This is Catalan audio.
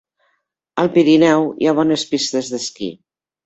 Al Pirineu hi ha bones pistes d'esquí.